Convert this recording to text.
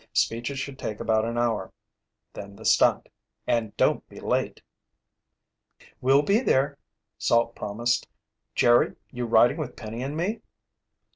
Speeches should take about an hour. Then the stunt. And don't be late!" "We'll be there," Salt promised. "Jerry, you riding with Penny and me?"